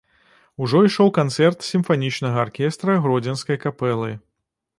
Ужо ішоў канцэрт сімфанічнага аркестра гродзенскай капэлы.